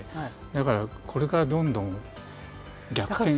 だからこれからどんどん逆転して。